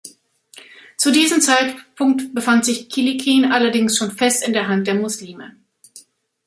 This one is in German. Zu diesem Zeitpunkt befand sich Kilikien allerdings schon fest in der Hand der Muslime.